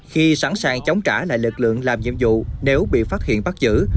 khi sẵn sàng chống trả lại lực lượng làm nhiệm vụ nếu bị phát hiện bắt giữ